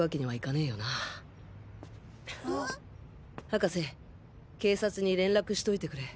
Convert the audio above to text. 博士警察に連絡しておいてくれ。